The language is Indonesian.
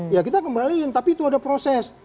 ya kita kembaliin tapi itu ada proses